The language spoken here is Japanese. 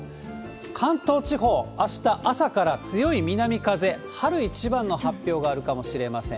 関東地方、あした朝から強い南風、春一番の発表があるかもしれません。